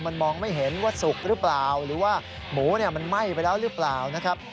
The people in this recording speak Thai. มันมองไม่เห็นว่าสุกหรือเปล่าหรือว่าหมูมันไหม้ไปแล้วหรือเปล่านะครับ